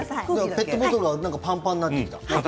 ペットボトルがパンパンになってきた。